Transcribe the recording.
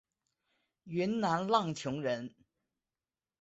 云南浪穹人。